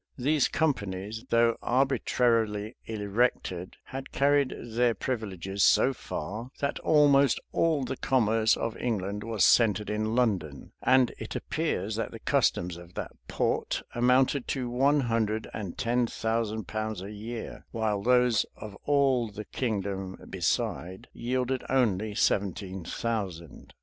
These companies, though arbitrarily erected, had carried their privileges so far, that almost all the commerce of England was centred in London; and it appears that the customs of that port amounted to one hundred and ten thousand pounds a year, while those of all the kingdom beside yielded only seventeen thousand.